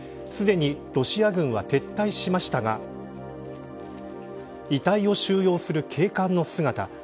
すでにロシア軍は撤退しましたが遺体を収容する警官の姿。